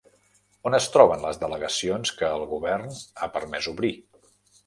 On es troben les delegacions que el govern ha permès obrir?